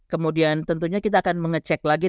kemudian tentunya kita akan mengecek lagi